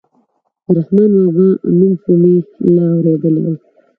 د رحمان بابا نوم خو مې لا اورېدلى و.